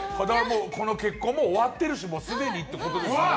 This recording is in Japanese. この結婚も終わっているしすでにってことですもんね。